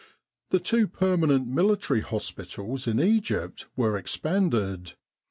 The two permanent military hospitals in Egypt were expanded.